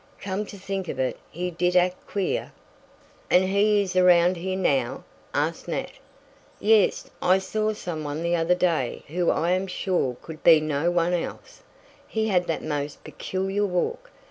Come to think of it he did act queer!" "And he is around here now?" asked Nat. "Yes, I saw some one the other day whom I am sure could be no one else. He had the most peculiar walk.